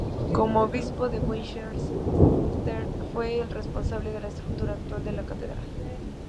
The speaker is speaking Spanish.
Como obispo de Winchester fue el responsable de la estructura actual de la catedral.